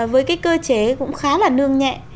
với cái cơ chế cũng khá là nương nhẹ